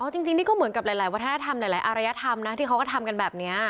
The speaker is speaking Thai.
จริงนี่ก็เหมือนกับหลายวัฒนธรรมหลายอารยธรรมนะที่เขาก็ทำกันแบบนี้